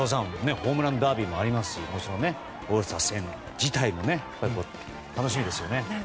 ホームランダービーもありますしオールスター戦自体も楽しみですよね。